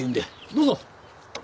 どうぞ。